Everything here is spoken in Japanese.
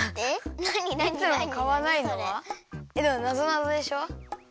でもなぞなぞでしょ？